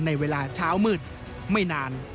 ในเวลาเช้ามืดไม่นาน